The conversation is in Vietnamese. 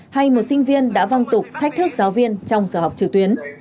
hay một sinh viên đã văng tục thách thức giáo viên trong giờ học trực tuyến